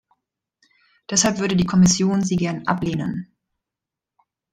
Deshalb würde die Kommission sie gern ablehnen.